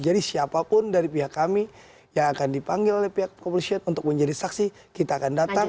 jadi siapapun dari pihak kami yang akan dipanggil oleh pihak polisi untuk menjadi saksi kita akan datang